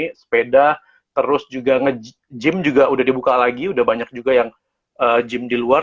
jadi sepeda terus juga gym juga sudah dibuka lagi sudah banyak juga yang gym di luar